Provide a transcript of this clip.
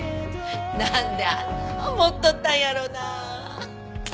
なんであんなもん持っとったんやろうな。